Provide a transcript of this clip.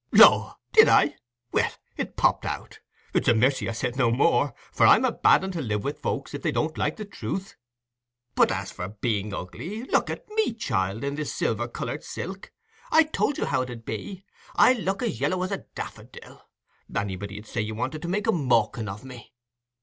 "Law, did I? Well, it popped out: it's a mercy I said no more, for I'm a bad un to live with folks when they don't like the truth. But as for being ugly, look at me, child, in this silver coloured silk—I told you how it 'ud be—I look as yallow as a daffadil. Anybody 'ud say you wanted to make a mawkin of me."